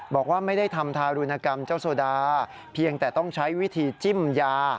บอกว่าไม่ได้ทำทารุณกรรมเจ้าโซดาเพียงแต่ต้องใช้วิธีจิ้มยา